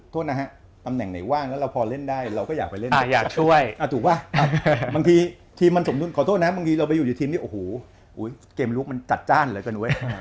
คือตำแหน่งไหนว่างแล้วเราพอเล่นได้เราก็อยากไปเล่นได้